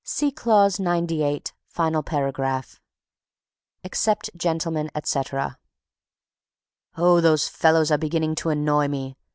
See Clause 98, final paragraph. Accept, gentlemen, etc. "Oh, those fellows are beginning to annoy me!"